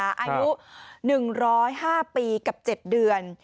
อายุ๑๐๕ปีกับ๗เดือน